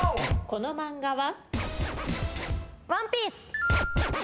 この漫画は？